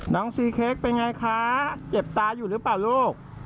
ซีเค้กเป็นไงคะเจ็บตาอยู่หรือเปล่าลูก